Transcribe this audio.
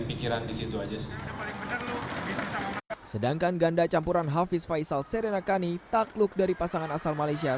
pikiran disitu aja sih sedangkan ganda campuran hafiz faisal serenakani takluk dari pasangan asal malaysia